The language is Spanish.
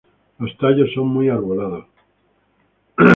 Los tallos son muy arbolados.